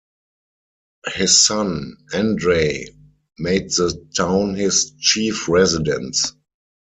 His son, Andrey, made the town his chief residence.